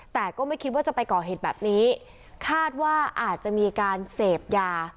แต่ก็ไม่คิดว่าจะไปก่อเหตุแบบนี้คาดว่าอาจจะมีการเสพยา